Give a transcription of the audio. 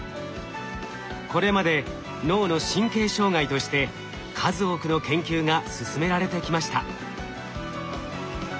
これまで脳の神経障害として数多くの研究が進められてきました。